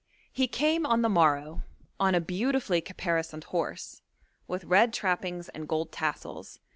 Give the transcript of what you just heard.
He came on the morrow, on a beautifully caparisoned horse, with red trappings and gold tassels.